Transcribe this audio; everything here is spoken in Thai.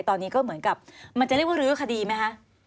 ตอนนี้ก็เหมือนกับมันจะเรียกว่ารื้อคดีไหมคะ